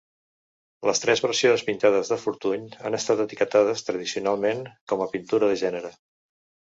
Les tres versions pintades de Fortuny han estat etiquetades tradicionalment com a pintura de gènere.